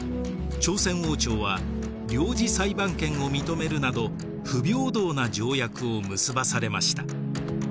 朝鮮王朝は領事裁判権を認めるなど不平等な条約を結ばされました。